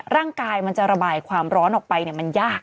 มันจะระบายความร้อนออกไปมันยาก